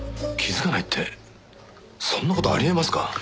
気づかないってそんな事あり得ますか？